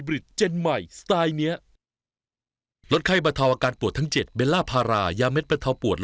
พี่แทนพี่เวนดี้เกิดเรื่องใหญ่แล้ว